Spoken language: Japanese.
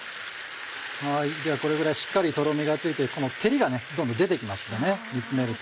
ではこれぐらいしっかりとろみがついてこの照りがどんどん出て来ますね煮詰めると。